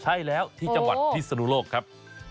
ใช่แล้วที่จังหวัดพิศนุโลกครับ